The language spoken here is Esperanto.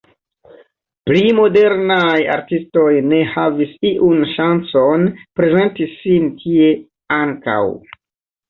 Pli modernaj artistoj ne havis iun ŝancon prezenti sin tie ankaŭ.